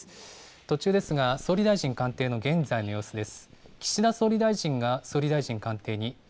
途中ですが、総理大臣官邸の現在の様子です。